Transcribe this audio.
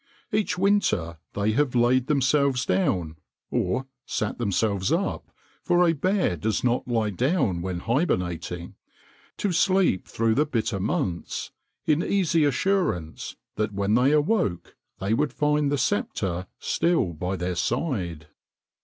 Each winter they have laid themselves down (or sat themselves up for a bear does not lie down when hibernating) to sleep through the bitter months, in easy assurance that when they awoke they would find the sceptre still by their side.